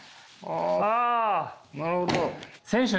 あなるほど。